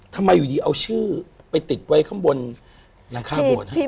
ทำไมอยู่ดีเอาชื่อไปติดไว้ข้างบนหลังคาโบสถ